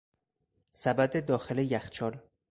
سبد داخل یخچال